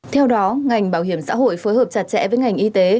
theo đó ngành bảo hiểm xã hội phối hợp chặt chẽ với ngành y tế